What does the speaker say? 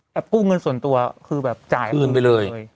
แป้งกู้เงินส่วนตัวคือจ่ายคืนไปเลย